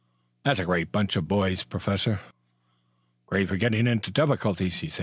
"That's a great bunch of boys, Professor." "Great for getting into difficulties."